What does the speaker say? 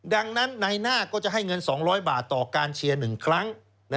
ดังนั้นในหน้าก็จะให้เงิน๒๐๐บาทต่อการเชียร์๑ครั้ง